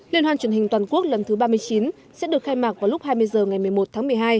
liên hoan truyền hình toàn quốc lần thứ ba mươi chín sẽ được khai mạc vào lúc hai mươi h ngày một mươi một tháng một mươi hai